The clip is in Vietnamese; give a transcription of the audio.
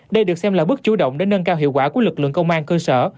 đây được xem là bước chủ động để nâng cao hiệu quả của lực lượng công an cơ sở